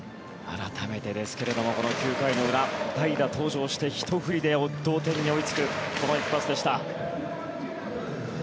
改めてですが、９回の裏代打、登場してひと振りで同点に追いつくこの一発でした。